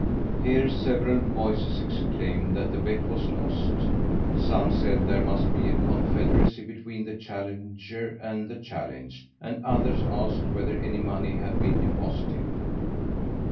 Here several voices exclaimed that the bet was lost. Some said there must be a confederacy between the challenger and the challenged, and others asked whether any money had been deposited?